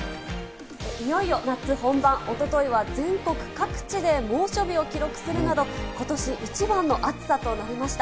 いよいよ夏本番、おとといは全国各地で猛暑日を記録するなど、ことし一番の暑さとなりました。